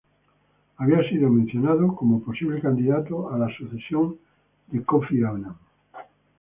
Había sido mencionado como posible candidato a la sucesión de Kofi Annan.